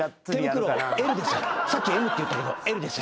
さっきＭって言ったけどＬです。